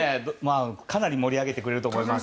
かなり盛り上げてくれると思います。